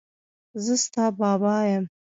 زه ستا بابا یم.